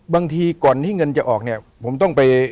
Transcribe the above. บางทีก่อนที่เงินจะออกเนี่ยผมต้องไป